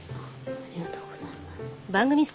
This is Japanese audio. ありがとうございます。